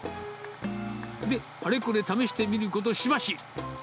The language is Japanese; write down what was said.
で、あれこれ試してみること、しばし。